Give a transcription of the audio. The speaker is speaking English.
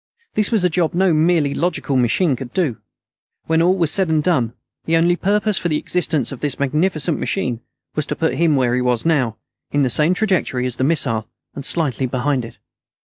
This was a job no merely logical machine could do. When all was said and done, the only purpose for the existence of this magnificent machine was to put him where he was now; in the same trajectory as the missile, and slightly behind it.